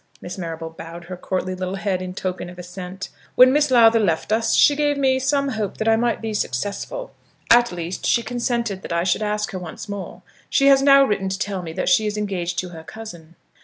Miss Marrable bowed her courtly little head in token of assent. "When Miss Lowther left us, she gave me some hope that I might be successful. At least, she consented that I should ask her once more. She has now written to tell me that she is engaged to her cousin."